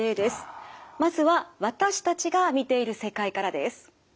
まずは私たちが見ている世界からです。